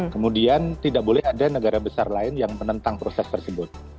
kemudian tidak boleh ada negara besar lain yang menentang proses tersebut